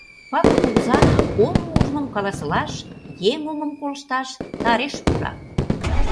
Павыл кугыза омо ужмым каласылаш, еҥ омым колышташ тареш пура.